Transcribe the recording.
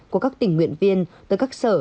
của các tình nguyện viên từ các sở